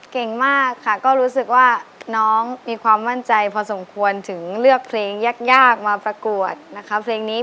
เก่งมากค่ะก็รู้สึกว่าน้องมีความมั่นใจพอสมควรถึงเลือกเพลงยากมาประกวดนะคะเพลงนี้